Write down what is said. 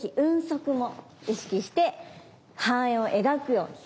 足も意識して半円を描くように。